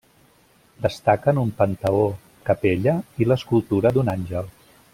Destaquen un panteó-capella i l'escultura d'un àngel.